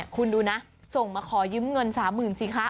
คุณดูนะส่งมาขอยืมเงิน๓๐๐๐สิคะ